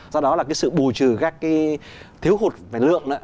do đó là cái sự bù trừ các cái thiếu hụt về lượng